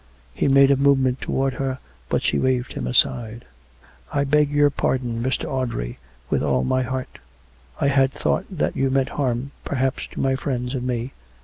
He made a movement towards her; but she waved him aside. " I beg your pardon, Mr. Audrey, with all my heart. I had thought that you meant harm, perhaps, to my friends and me.